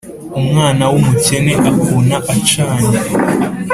umwana w'umukene akuna acanye.